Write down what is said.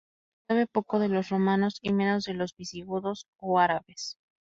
Se sabe poco de los romanos y menos de los visigodos o árabes.